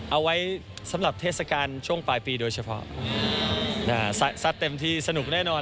เอาไว้สำหรับเทศกาลช่วงปลายปีโดยเฉพาะสัตว์เต็มที่สนุกแน่นอน